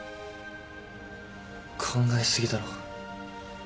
考え過ぎだろ。